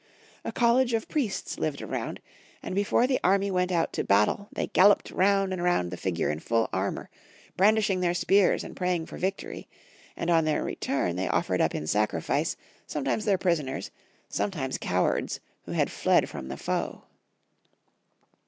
A college of priests lived around ; and before the army went out to battle, they galloped round and round the figure m full armor, brandishing their spears and praying for victory ; and on their return they offered up in sacrifice, sometimes their prisoners, sometimes cowards who had fled from the foe.